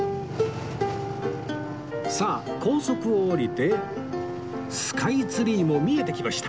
さあ高速を降りてスカイツリーも見えてきました